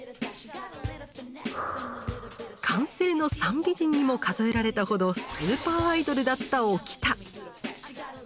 「寛政の三美人」にも数えられたほどスーパーアイドルだった「おきた」。